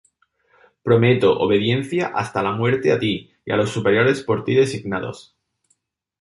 Prometo obediencia hasta la muerte a ti y a los superiores por ti designados.